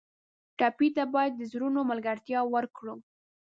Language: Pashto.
ټپي ته باید د زړونو ملګرتیا ورکړو.